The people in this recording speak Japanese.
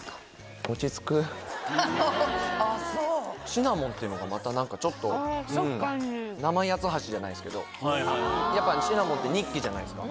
シナモンっていうのがまた何かちょっと生八つ橋じゃないですけどシナモンってニッキじゃないですか